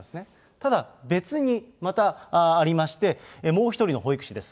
ただ別にまたありまして、もう１人の保育士です。